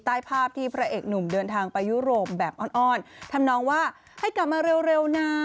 ใต้ภาพที่พระเอกหนุ่มเดินทางไปยุโรปแบบอ้อนทำนองว่าให้กลับมาเร็วนะ